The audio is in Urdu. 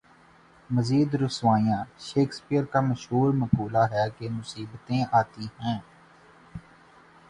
مزید رسوائیاں شیکسپیئر کا مشہور مقولہ ہے کہ مصیبتیں آتی ہیں۔